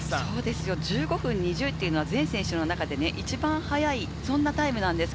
１５分２０秒は全選手の中で一番速い、そんなタイムなんです。